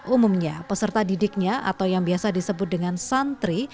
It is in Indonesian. umumnya peserta didiknya atau yang biasa disebut dengan santri